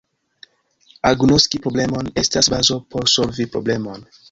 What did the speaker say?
Agnoski problemon estas bazo por solvi problemon.